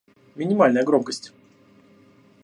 Минимальная громкость